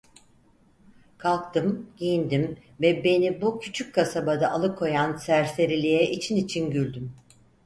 Kalktım, giyindim ve beni bu küçük kasabada alıkoyan serseriliğe için için güldüm.